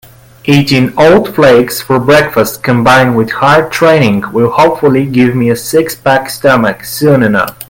Eating oat flakes for breakfast combined with hard training will hopefully give me a six-pack stomach soon enough.